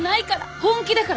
本気だから。